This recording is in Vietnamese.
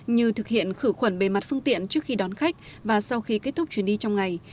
như thực hiện khử khuẩn bề mặt phương tiện trước khi đón khách và sau khi kết thúc chuyến đi trong ngày